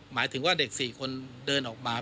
หมายถึงว่าเด็ก๔คนเดินออกมา